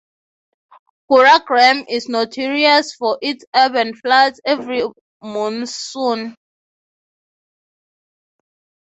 Gurugram is notorious for its urban floods every monsoon.